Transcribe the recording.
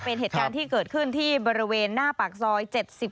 เป็นเหตุการณ์ที่เกิดขึ้นที่บริเวณหน้าปากซอย๗๑